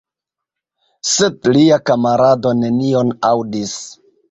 Sed lia kamarado nenion aŭdis.